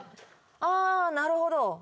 「あなるほど」